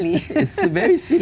itu sangat lucu